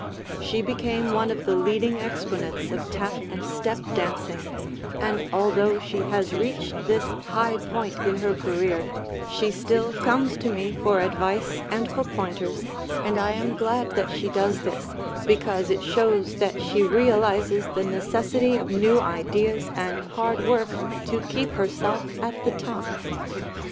She became one of the leading exponents of "Tap and Step" dancing, and although she has reached this high point in her career, she still comes to me for advice and for pointers, and I am glad that she does this, because it shows that she realizes the necessity of new ideas and hard work to keep herself at the top.